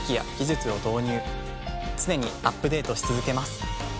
常にアップデートし続けます。